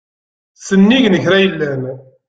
Sennig n kra yellan.